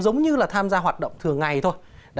giống như là tham gia hoạt động thường ngày thôi